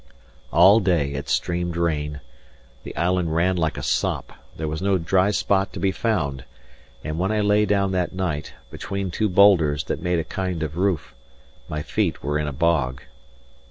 All day it streamed rain; the island ran like a sop, there was no dry spot to be found; and when I lay down that night, between two boulders that made a kind of roof, my feet were in a bog.